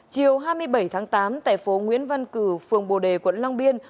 chiều hai mươi bảy tháng tám tại phố nguyễn văn cử phường bồ đề quận long biên